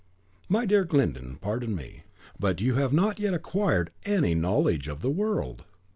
"My dear Glyndon, pardon me; but you have not yet acquired any knowledge of the world!